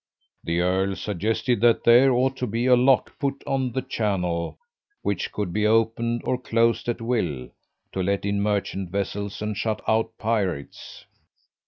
The earl suggested that there ought to be a lock put on the channel which could be opened or closed at will, to let in merchant vessels and shut out pirates.